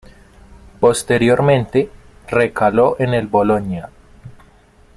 Posteriormente, recaló en el Bologna.